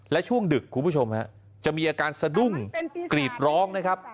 และช่วงดึกคุณผู้ชมจะมีอาการสะดุ้งกรีดร้องนะครับ